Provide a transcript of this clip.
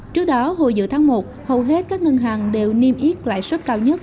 trước đó hồi giữa tháng một hầu hết các ngân hàng đều niêm yết lãi suất cao nhất